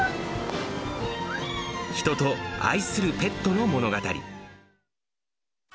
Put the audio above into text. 人と愛するペットの物語。